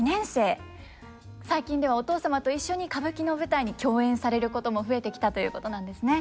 最近ではお父様と一緒に歌舞伎の舞台に共演されることも増えてきたということなんですね。